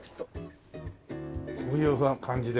こういう感じで。